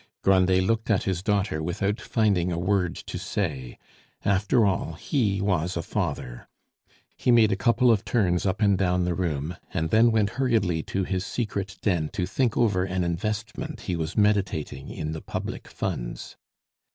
Grandet looked at his daughter without finding a word to say; after all, he was a father. He made a couple of turns up and down the room, and then went hurriedly to his secret den to think over an investment he was meditating in the public Funds.